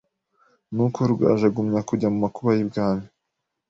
Nuko Rugaju agumya kujya mu makuba y'ibwami,